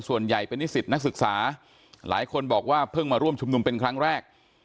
ส่วนใหญ่เป็นนิสิตนักศึกษาหลายคนบอกว่าเพิ่งมาร่วมชุมนุมเป็นครั้งแรก